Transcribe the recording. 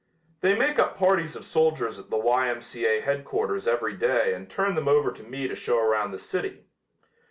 They make up parties of soldiers at the Y. M. C. A. headquarters every day and turn them over to me to show around the city.